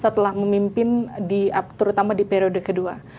setelah memimpin terutama di periode kedua